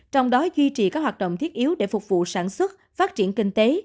trong đó duy trì các hoạt động thiết yếu để phục vụ sản xuất phát triển kinh tế